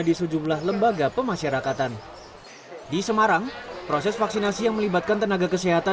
di sejumlah lembaga pemasyarakatan di semarang proses vaksinasi yang melibatkan tenaga kesehatan